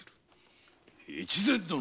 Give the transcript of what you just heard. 越前殿！